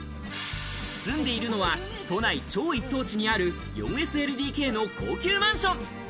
住んでいるのは都内超一等地にある４ＳＬＤＫの高級マンション。